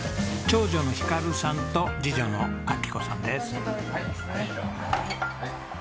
長女の暉さんと次女の央子さんです。